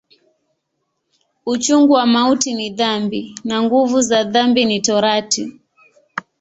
Uchungu wa mauti ni dhambi, na nguvu za dhambi ni Torati.